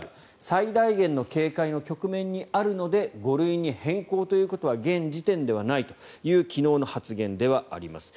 最大限の警戒の局面にあるので５類に変更ということは現時点ではないという昨日の発言ではあります。